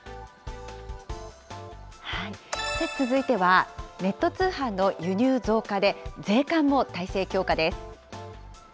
続いては、ネット通販の輸入増加で、税関も態勢強化です。